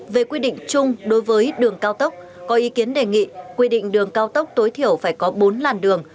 về quy định chung đối với đường cao tốc có ý kiến đề nghị quy định đường cao tốc tối thiểu phải có bốn làn đường